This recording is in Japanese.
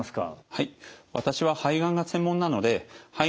はい。